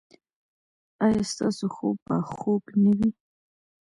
ایا ستاسو خوب به خوږ نه وي؟